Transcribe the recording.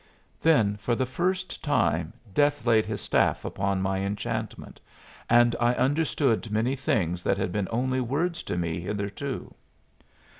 Then for the first time Death laid his staff upon my enchantment, and I understood many things that had been only words to me hitherto.